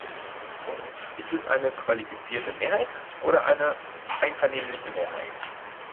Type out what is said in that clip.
Ist es eine qualifizierte Mehrheit oder eine einvernehmliche Mehrheit?